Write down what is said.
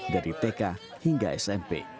dari tk hingga smp